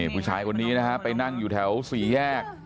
ผู้ชายวันนี้นะครับไปนั่งอยู่แถว๔แยก